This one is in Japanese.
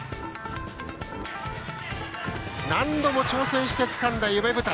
何度も挑戦してつかんだ夢舞台。